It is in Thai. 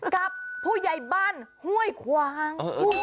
กับผู้ใหญ่บ้านห้วยขวาง